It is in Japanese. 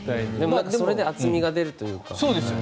それで厚みが出るというか。